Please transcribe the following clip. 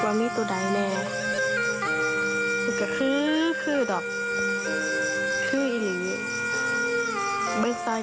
ว่ามีตัวใดแน่มันกระคื๊ดดอกคืออีหลี